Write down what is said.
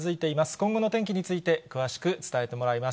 今後の天気について、詳しく伝えてもらいます。